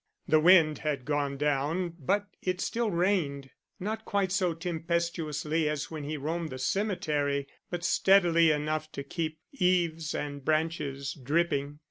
The wind had gone down, but it still rained. Not quite so tempestuously as when he roamed the cemetery, but steadily enough to keep eaves and branches dripping.